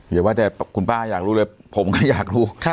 อย่าว่าแต่คุณป้าอยากรู้เลยผมก็อยากรู้